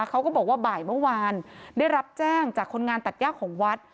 เขาก็บอกว่าบ่ายเมื่อวานได้รับแจ้งจากคนงานตัดย่าของวัด